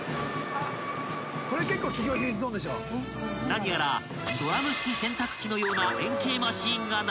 ［何やらドラム式洗濯機のような円形マシンが並んだ部屋］